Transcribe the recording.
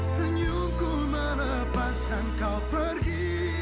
senyum ku melepaskan kau pergi